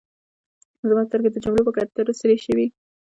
زما سترګې د جملو په کتلو سرې شوې.